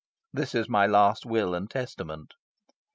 This is my last will and testament."